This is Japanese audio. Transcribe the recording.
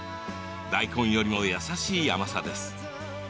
大根よりも優しい甘さです。